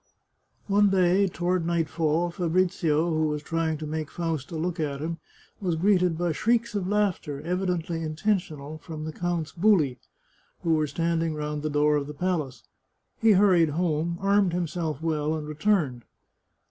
One day, toward nightfall, Fabrizio, who was trying to make Fausta look at him, was greeted by shrieks of laugh ter, evidently intentional, from the count's huli, who were standing round the door of the palace. He hurried home, armed himself well, and returned.